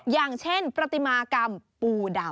อย่างเช่นประติมากรรมปูดำ